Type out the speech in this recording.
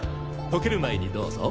溶ける前にどうぞ。